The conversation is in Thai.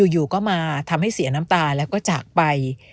อยู่ก็มาทำให้เสียน้ำตาแล้วก็จากไป